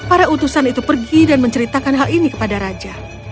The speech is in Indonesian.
para utusan itu pergi dan menceritakan hal ini kepada raja